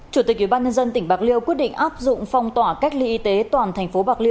chủ tịch ubnd tỉnh bạc liêu quyết định áp dụng phong tỏa cách ly y tế toàn thành phố bạc liêu